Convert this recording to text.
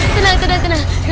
tenang tenang tenang